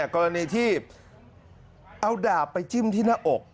กรณีที่เอาดาบไปจิ้มที่หน้าอก